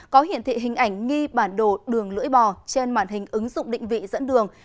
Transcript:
có hiển thị hình ảnh nghi bản đồ đường lưỡi bò trên màn hình ứng dụng định vị dẫn đường